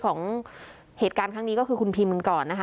ของเหตุการณ์ครั้งนี้ก็คือคุณพิมกันก่อนนะคะ